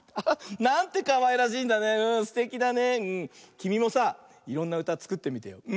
きみもさいろんなうたつくってみてよ。